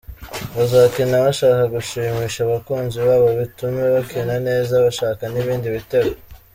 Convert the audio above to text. Bazakina bashaka gushimisha abakunzi babo bitume bakina neza bashaka n’ibindi bitego.